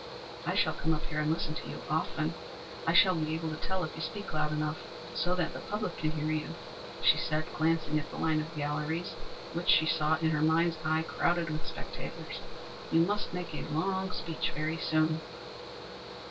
"I shall come up here and listen to you often. I shall be able to tell if you speak loud enough so that the public can hear you," she said, glancing at the line of galleries which she saw in her mind's eye crowded with spectators. "You must make a long speech very soon."